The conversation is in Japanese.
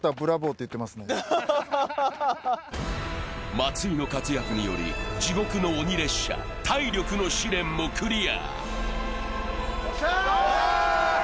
松井の活躍により、地獄の鬼列車体力の試練もクリア。